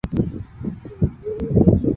空中科尔德人口变化图示